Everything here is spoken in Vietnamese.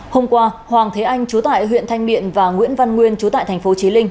hôm qua hoàng thế anh chú tại huyện thanh miện và nguyễn văn nguyên chú tại tp chí linh